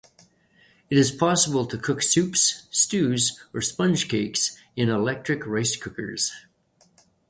It is possible to cook soups, stews or sponge cakes in electric rice cookers.